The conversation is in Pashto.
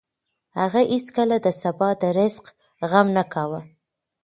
هغه هېڅکله د سبا د رزق غم نه کاوه.